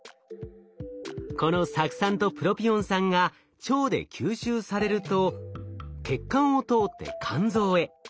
この酢酸とプロピオン酸が腸で吸収されると血管を通って肝臓へ。